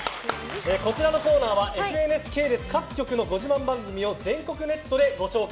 こちらのコーナーはＦＮＳ系列各局のご自慢番組を全国ネットでご紹介。